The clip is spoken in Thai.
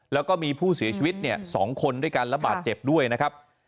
แล้วก็มีผู้เสียชีวิต๒คนด้วยกันระบาดเจ็บด้วยนะครับ